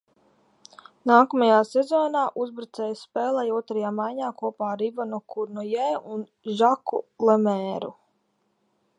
Nākamajā sezonā uzbrucējs spēlēja otrajā maiņā kopā ar Ivanu Kurnojē un Žaku Lemēru.